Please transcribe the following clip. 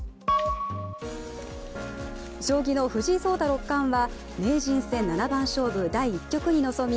将棋の藤井聡太六冠は名人戦七番勝負第１局に臨み